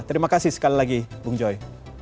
terima kasih sekali lagi bung joy